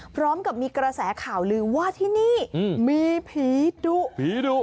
พร้อมกับมีกระแสข่าวลือว่าที่นี่มีผีดุผีดุ